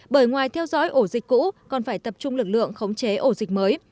bởi ngoài theo dõi ổ dịch cũ còn phải tập trung lực lượng khống chế ổ dịch mới